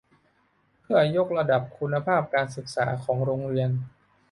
เพื่อยกระดับคุณภาพการศึกษาของโรงเรียน